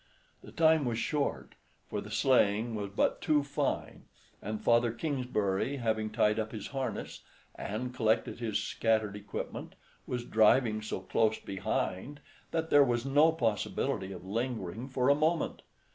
The time was short, for the sleighing was but too fine; and Father Kingsbury, having tied up his harness, and collected his scattered equipment, was driving so close behind that there was no possibility of lingering for a moment.